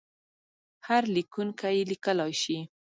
هر لیکونکی یې لیکلای شي.